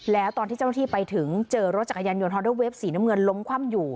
แล้วตอนที่เจ้าหน้าที่ไปถึงเจอรถจักรยานยนฮอเดอร์เวฟสีน้ำเงินล้มคว่ำอยู่